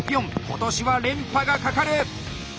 今年は連覇がかかる！